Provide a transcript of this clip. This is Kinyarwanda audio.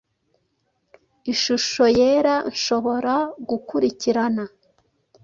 Ishusho Yera nshobora gukurikirana.